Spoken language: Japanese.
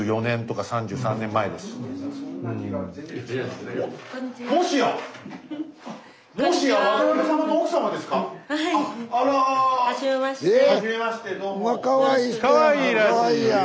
かわいいやん。